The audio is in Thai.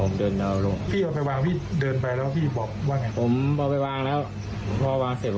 ก่อนนั้นเป็นคนดีนะครับแต่หลังมาเขาแข็งแรงไม่รู้